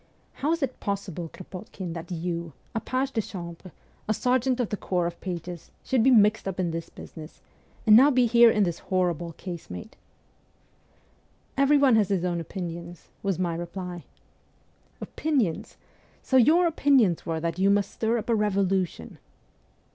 ' How is it possible, Kropotkin, that you, a page de chambre, a sergeant of the corps of pages, should be mixed up in this business, and now be here in this horrible casemate ?'' Every one has his own opinions,' was my reply. ' Opinions ! So your opinions were that you must stir up a revolution